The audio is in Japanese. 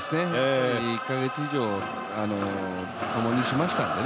１か月以上、ともにしましたんで。